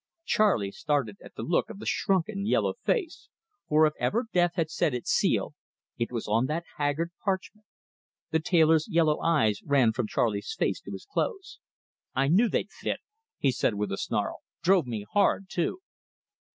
Charley started at the look of the shrunken, yellow face; for if ever death had set his seal, it was on that haggard parchment. The tailor's yellow eyes ran from Charley's face to his clothes. "I knew they'd fit," he said, with a snarl. "Drove me hard, too!"